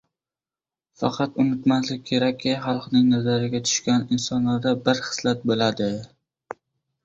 Faqat, unutmaslik kerakki, xalqning nazariga tushgan insonlarda bir xislat boʻladi.